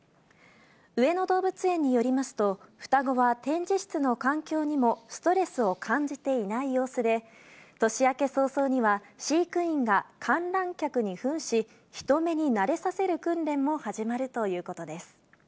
上野動物園によりますと、双子は、展示室の環境にもストレスを感じていない様子で、年明け早々には飼育員が観覧客にふんし、人目に慣れさせる訓練も始まるということです。